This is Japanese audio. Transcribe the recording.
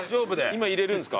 今入れるんすか？